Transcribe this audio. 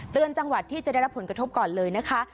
จังหวัดที่จะได้รับผลกระทบก่อนเลยนะคะ